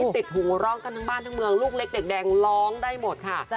ติดหูร้องกันทั้งบ้านทั้งเมืองลูกเล็กเด็กแดงร้องได้หมดค่ะ